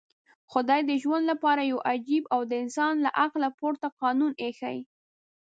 خدای د ژوند لپاره يو عجيب او د انسان له عقله پورته قانون ايښی.